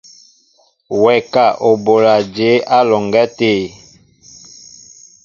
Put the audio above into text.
Wɛ ka , o bola jěbá á alɔŋgá tê?